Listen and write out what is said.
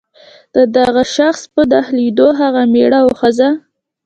د دغه شخص په داخلېدو هغه مېړه او ښځه.